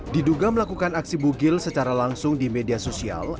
diduga melakukan aksi bugil secara langsung di media sosial